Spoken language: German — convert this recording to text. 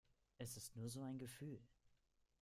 Es ist nur so ein Gefühl.